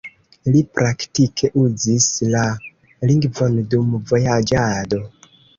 Li praktike uzis la lingvon dum vojaĝado.